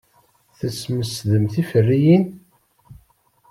Tesmesdem tiferyin.